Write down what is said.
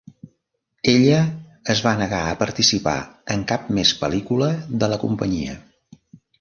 Ella es va negar a participar en cap més pel·lícula de la companyia.